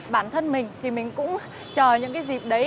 bản thân mình thì mình cũng chờ những cái dịp đấy